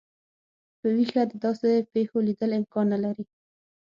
په ویښه د داسي پیښو لیدل امکان نه لري.